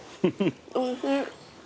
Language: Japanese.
おいしい。